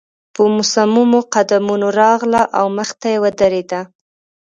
په مصممو قدمونو راغله او مخې ته يې ودرېده.